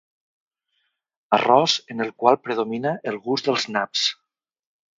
Arròs en el qual predomina el gust dels naps.